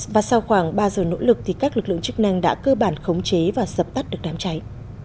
và sau khoảng ba giờ nỗ lực thì các lực lượng chức năng đã cơ bản khống chế và dập tắt được đám cháy